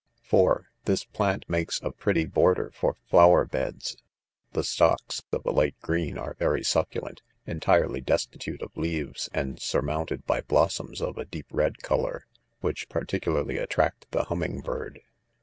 (4) This plant makes a pretty feofder for flower beds ; the stocks, of a light green, are very, ■succulent, en tirely destitute of leaves, and surmounted by blossoms of a. deep red colony which particularly . attract the hum ming bird.